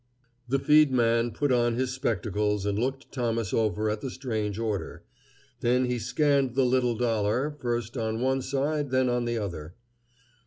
The feed man put on his spectacles and looked Thomas over at the strange order. Then he scanned the little dollar, first on one side, then on the other.